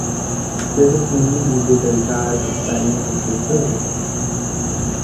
This is mainly due to Delta's expanding Tokyo service.